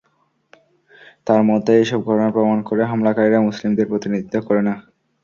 তাঁর মতে, এসব ঘটনা প্রমাণ করে হামলাকারীরা মুসলিমদের প্রতিনিধিত্ব করে না।